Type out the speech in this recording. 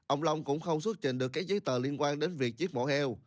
ông long cũng không xuất trình được các giấy tờ liên quan đến việc giết mổ heo